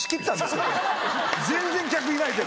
全然客いないけど。